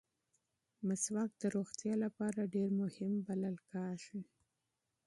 مسواک د صحت لپاره ډېر مهم بلل کېږي.